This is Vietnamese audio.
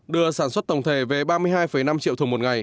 đưa sản xuất tổng thể về ba mươi hai năm triệu thùng một ngày